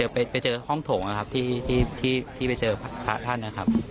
ไปเจอห้องโถงนะครับที่ไปเจอพระท่านนะครับ